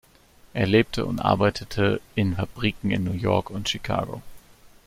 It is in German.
Er lebte und arbeitete in Fabriken in New York und Chicago.